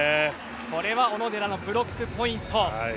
これは小野寺のブロックポイント。